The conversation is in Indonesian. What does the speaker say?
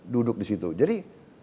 duduk disitu jadi